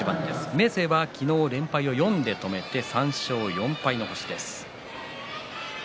明生は昨日、連敗を４で止めて３勝４敗の星です。